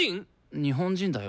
日本人だよ。